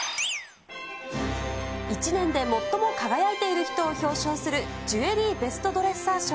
１年で最も輝いている人を表彰する、ジュエリーベストドレッサー賞。